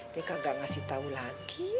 dia kagak ngasih tau lagi